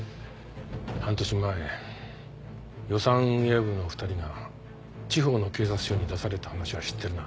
半年前予算運営部の２人が地方の警察署に出された話は知ってるな？